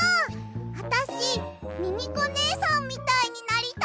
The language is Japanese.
あたしミミコねえさんみたいになりたい！